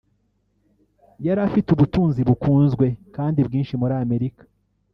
yari afite ubutunzi bukunzwe kandi bwinshi muri Amerika